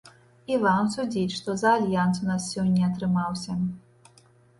І вам судзіць, што за альянс у нас сёння атрымаўся.